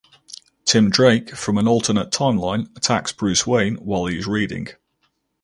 Tim Drake from an alternate timeline attacks Bruce Wayne while he is reading.